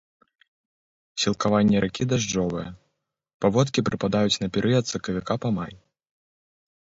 Сілкаванне ракі дажджавое, паводкі прыпадаюць на перыяд з сакавіка па май.